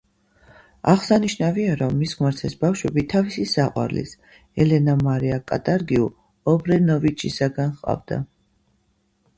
აღსანიშნავია, რომ მის ქმარს ეს ბავშვები თავისი საყვარლის, ელენა მარია კატარგიუ-ობრენოვიჩისაგან ჰყავდა.